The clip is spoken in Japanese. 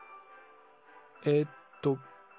えっと。